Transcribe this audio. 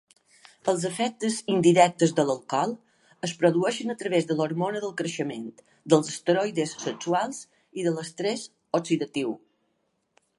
Els efectes indirectes de l'alcohol es produeixen a través de l'hormona del creixement, dels esteroides sexuals i de l'estrès oxidatiu.